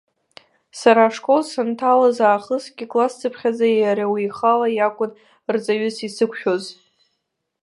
Сара ашкол санҭалаз аахысгьы, классцыԥхьаӡа иара уи ихала иакәын рҵаҩыс исықәшәоз.